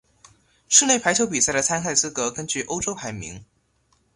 室内排球比赛的参赛资格根据欧洲排名。